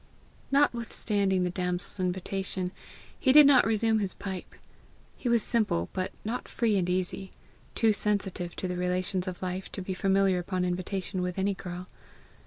Notwithstanding the damsel's invitation, he did not resume his pipe. He was simple, but not free and easy too sensitive to the relations of life to be familiar upon invitation with any girl.